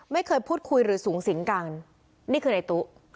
ไม่เคยพูดคุยหรือสูงสิงกันนี่คือในตู้